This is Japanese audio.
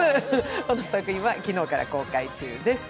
この作品は昨日から公開中です。